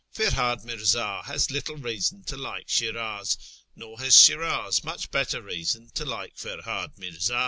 Ferhiid Mirza has little reason to like Shiraz, nor has Shiraz much better reason to like Ferhad Mirza.